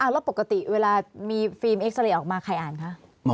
แล้วปกติเวลามีฟิล์มเอ็กซาเรย์ออกมาใครอ่านคะ